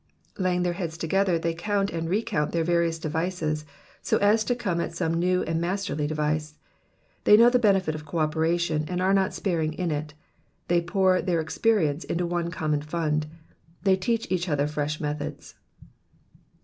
''^ Laying their heads together they count and recount their various devices, so as to come at some new and masterly device. They know the benefit of co operation, and are not sparing in it ; they pour their experience into one common fund, they teach each other fresh methods.